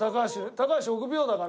高橋臆病だから。